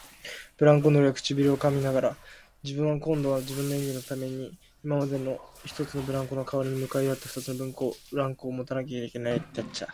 ブランコ乗りは唇をかみながら、自分は今度は自分の演技のために今までの一つのブランコのかわりに向かい合った二つのブランコをもたなければならない、